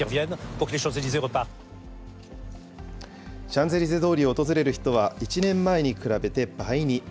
シャンゼリゼ通りを訪れる人は、１年前に比べて倍に。